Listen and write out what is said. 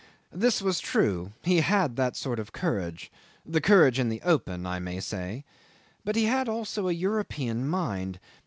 This was true; he had that sort of courage the courage in the open, I may say but he had also a European mind.